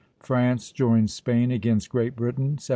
FRANCE JOINS SPAIN AGAINST GREAT BRITAIN, 1744.